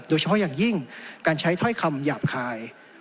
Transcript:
โดยเฉพาะอย่างยิ่งการใช้ถ้อยคำหยาบคาย